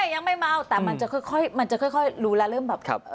ยังไม่เมาแต่มันจะค่อยรู้แล้ว